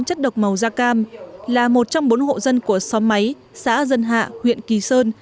chất độc màu da cam là một trong bốn hộ dân của xóm máy xã dân hạ huyện kỳ sơn